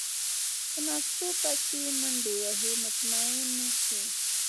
په نشتو پسې منډې وهي مطمئن نه شي.